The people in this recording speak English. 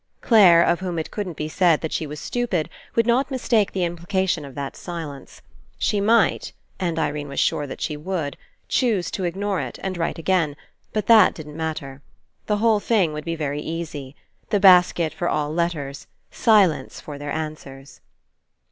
Clare, of whom it couldn't be said that she was stupid, would not mistake the imphcation of that silence. She might — and Irene was sure that she would — choose to ignore it and write again, but that didn't matter. The whole thing would be very easy. The basket for all letters, silence for their answers.